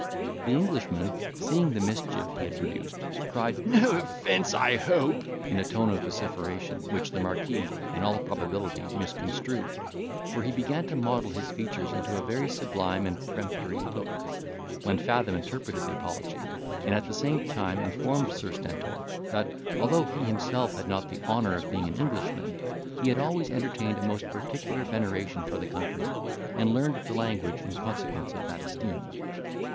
The Englishman, seeing the mischief he had produced, cried, "No offence, I hope," in a tone of vociferation, which the marquis in all probability misconstrued; for he began to model his features into a very sublime and peremptory look, when Fathom interpreted the apology, and at the same time informed Sir Stentor, that although he himself had not the honour of being an Englishman, he had always entertained a most particular veneration for the country, and learned the language in consequence of that esteem.